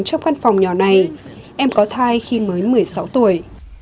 trong căn phòng nhỏ này em có thai khi mới một mươi sáu tuổi